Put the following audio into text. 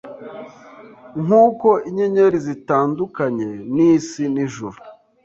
Nkuko inyenyeri zitandukanye nisi nijuru